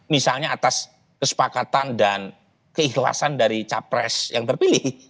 misalnya atas kesepakatan dan keikhlasan dari capres yang terpilih